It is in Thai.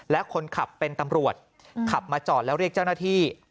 และคนขับเป็นตำรวจขับมาจอดแล้วเรียกเจ้าหน้าที่